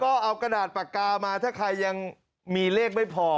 ก็เอากระดาษปากกามาถ้าใครยังมีเลขไม่พอ